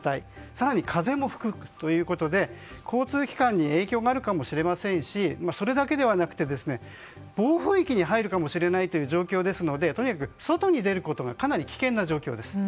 更に、風も吹くということで交通機関に影響があるかもしれませんしそれだけではなくて暴風域に入るかもしれないという状況ですのでとにかく外に出るのがかなり危険な状況です。